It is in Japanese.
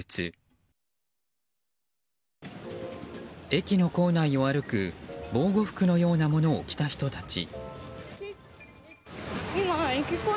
駅の構内を歩く防護服のようなものを着た人たち。